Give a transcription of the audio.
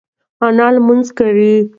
انا لمونځ کوي.